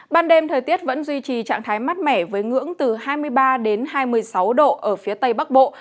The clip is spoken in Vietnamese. ban đêm thời tiết vẫn duy trì trạng thái mát mẻ với ngưỡng từ hai mươi ba hai mươi sáu độ ở phía tây bắc bộ